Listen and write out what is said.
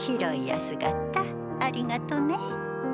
ありがとね。